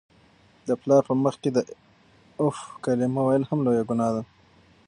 د پلار په مخ کي د "اف" کلمه ویل هم لویه ګناه ده.